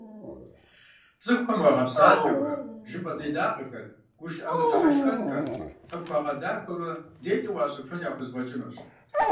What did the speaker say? Цӏыхухэм уагъэпсалъэурэ, жыпӏэ делагъэхэр, гушыӏэ мыдыхьэшхэнхэр къыпхуагъэдахэурэ делэ уащӏыфын яхузэфӏэкӏынущ.